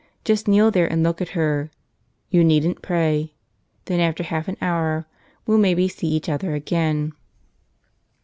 Just kneel there and look at her. You needn't pray. Then after half an hour we'll maybe see each other again."